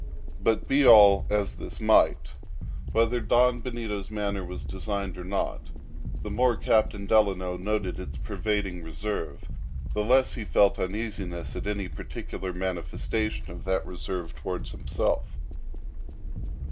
But be all this as it might, whether Don Benito's manner was designed or not, the more Captain Delano noted its pervading reserve, the less he felt uneasiness at any particular manifestation of that reserve towards himself.